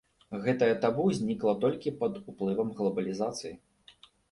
Гэтае табу знікла толькі пад уплывам глабалізацыі.